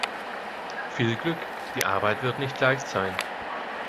Viel Glück, die Arbeit wird nicht leicht sein.